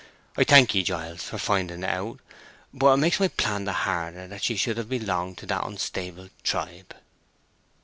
I thank ye, Giles, for finding it out; but it makes my plan the harder that she should have belonged to that unstable tribe."